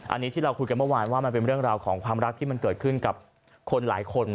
อันนี้ที่เราคุยกันเมื่อวานว่ามันเป็นเรื่องราวของความรักที่มันเกิดขึ้นกับคนหลายคน